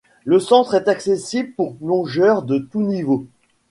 Le centre est accessible pour plongeurs de tous niveaux.